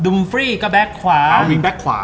ดุมฟรี่ก็แบบขวา